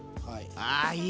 ああいい！